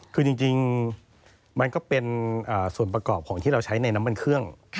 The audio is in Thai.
คือจริงมันก็เป็นส่วนประกอบของที่เราใช้ในน้ำมันเครื่อง